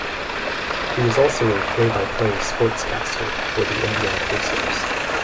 He was also a play-by-play sportscaster for the Indiana Pacers.